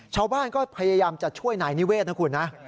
ชาวบ้านก็พยายามจะช่วยนายนิเวศนะคุณนะ